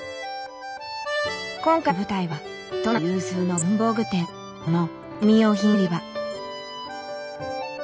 今回の舞台は都内有数の文房具店その手紙用品売り場。